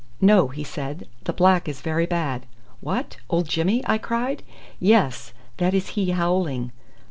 "No," he said; "the black is very bad." "What! old Jimmy?" I cried. "Yes. That is he howling."